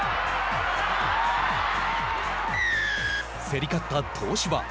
競り勝った東芝。